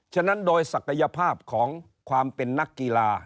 ฉะนั้นโดยศักยภาพของความเป็นนักกีฬา